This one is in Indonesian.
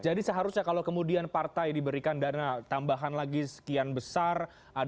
seharusnya kalau kemudian partai diberikan dana tambahan lagi sekian besar